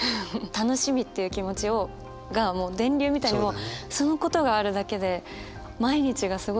楽しみっていう気持ちがもう電流みたいにそのことがあるだけで毎日がすごい楽しくて。